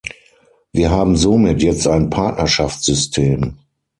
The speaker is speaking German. Wir haben somit jetzt ein Partnerschaftssystem.